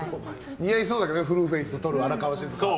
似合いそうですけどねフルフェースとる荒川静香。